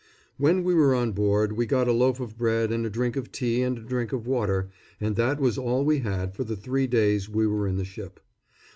When we went on board we got a loaf of bread and a drink of tea and a drink of water, and that was all we had for the three days we were in the ship.